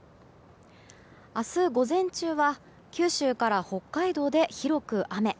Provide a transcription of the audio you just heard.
明日、午前中は九州から北海道で広く雨。